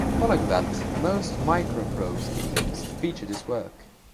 Following that, most MicroProse games featured his work.